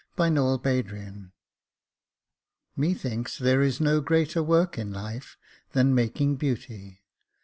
BEAUTY MAKING Methinks there is no greater work in life Than making beauty.